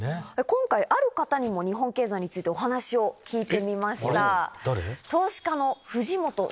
今回ある方に日本経済についてお話を聞いてみました。